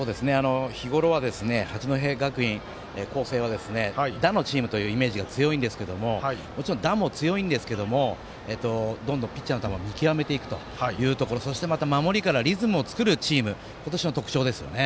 日頃は八戸学院光星は打のチームというイメージが強いんですがもちろん打も強いんですけどもどんどんピッチャーの球も見極めていくところそして守りからリズムを作るチーム今年の特徴です。